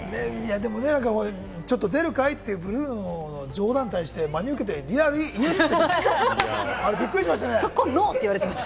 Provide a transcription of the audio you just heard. ちょっと出るかい？ってブルーノの冗談に対して、真に受けてリアルにイエスって、あれびっくりしましたね。